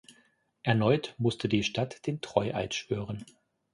Erneut musste die Stadt den Treueid schwören.